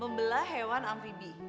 membelah hewan amribi